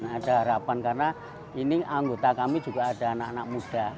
ada harapan karena ini anggota kami juga ada anak anak muda